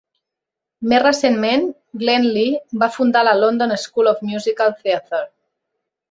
Més recentment, Glenn Lee va fundar la London School of Musical Theatre.